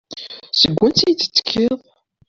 Seg wansi i d-tekkiḍ?